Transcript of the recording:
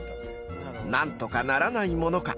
［何とかならないものか。